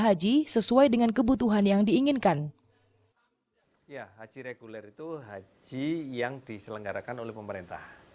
haji reguler itu haji yang diselenggarakan oleh pemerintah